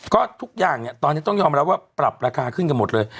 ก็ทุกอย่างเนี่ยตอนนี้ต้องยอมรับว่าปรับราคาขึ้นกันหมดเลย